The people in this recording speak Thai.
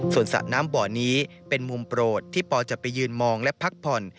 ส่วนสระน้ำบ่อนี้เป็นมุมโปรดที่ปอจะไปยืนมองและพักผ่อน